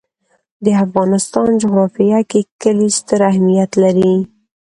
د افغانستان جغرافیه کې کلي ستر اهمیت لري.